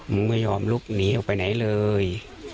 มึงไม่ยอมลุกหนีออกไปไหนเลย